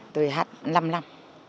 tôi hát năm năm